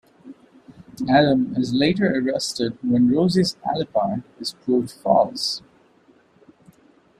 Adam is later arrested when Rosie's alibi is proved false.